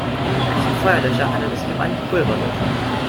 Bei diesem Feuerlöscher handelt es sich um einen Pulverlöscher.